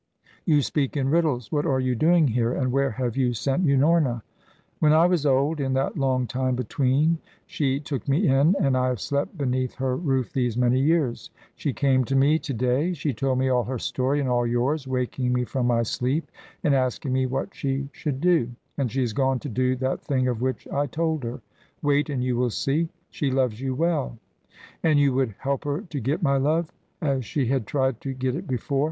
"You speak in riddles. What are you doing here, and where have you sent Unorna?" "When I was old, in that long time between, she took me in, and I have slept beneath her roof these many years. She came to me to day. She told me all her story and all yours, waking me from my sleep, and asking me what she should do. And she is gone to do that thing of which I told her. Wait and you will see. She loves you well." "And you would help her to get my love, as she had tried to get it before?"